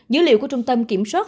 dữ liệu của trung tâm kiểm soát